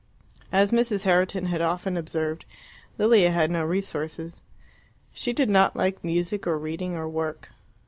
As Mrs. Herriton had often observed, Lilia had no resources. She did not like music, or reading, or work.